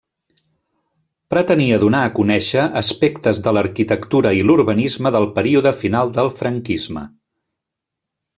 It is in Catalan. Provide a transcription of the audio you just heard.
Pretenia donar a conèixer aspectes de l'arquitectura i l'urbanisme del període final del franquisme.